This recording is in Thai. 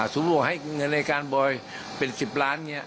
สมมุติให้เงินรายการบอยเป็น๑๐ล้านเนี่ย